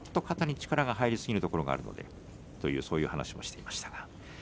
肩に力が入りすぎるところがあるという話をしていました。